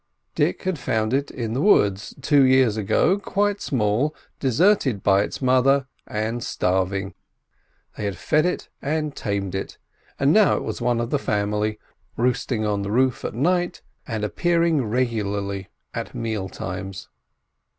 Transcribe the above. Dick had found it in the woods two years ago, quite small, deserted by its mother, and starving. They had fed it and tamed it, and it was now one of the family; roosting on the roof at night, and appearing regularly at meal times.